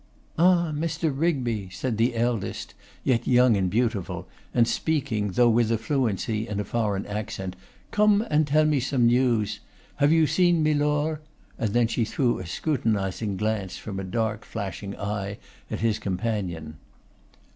'Ah, Mr. Rigby!' said the eldest, yet young and beautiful, and speaking, though with fluency, in a foreign accent, 'come and tell me some news. Have you seen Milor?' and then she threw a scrutinizing glance from a dark flashing eye at his companion.